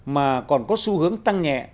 mà còn có xu hướng tăng nhẹ